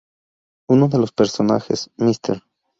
Uno de los personajes, Mr.